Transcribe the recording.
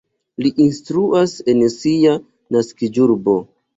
Li instruas en sia naskiĝurbo.